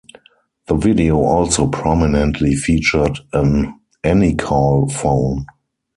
The video also prominently featured an Anycall phone.